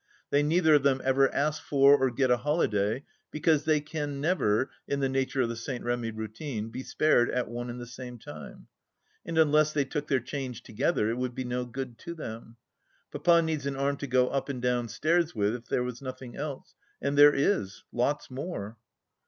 They neither of them ever ask for or get a holiday, because they can never, in the nature of the St. Remy routine, be spared at one and the same time, and unless they took their change together it would be no good to them. Papa needs an arm to go up and down stairs with, if there was nothing else, and there is — ^lots more.